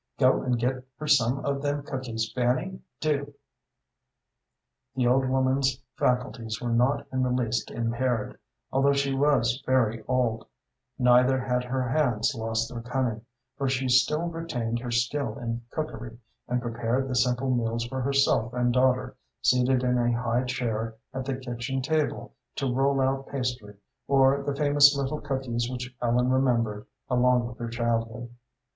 "Go and get her some of them cookies, Fanny, do." The old woman's faculties were not in the least impaired, although she was very old, neither had her hands lost their cunning, for she still retained her skill in cookery, and prepared the simple meals for herself and daughter, seated in a high chair at the kitchen table to roll out pastry or the famous little cookies which Ellen remembered along with her childhood.